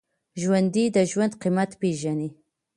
ژوندي د ژوند قېمت پېژني